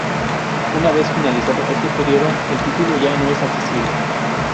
Una vez finalizado este período, el título ya no es accesible.